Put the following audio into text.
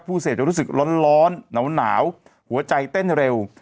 เสร็จจะรู้สึกร้อนหนาวหัวใจเต้นเร็ว